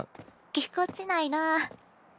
ぎこちないなぁ。